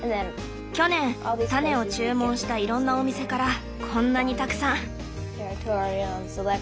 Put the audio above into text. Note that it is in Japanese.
去年種を注文したいろんなお店からこんなにたくさん。